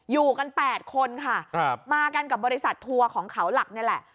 อยู่กัน๘คนค่ะมากันกับบริษัททัวร์ของเขาหลักนี่แหละ